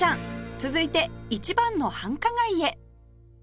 続いて一番の繁華街へ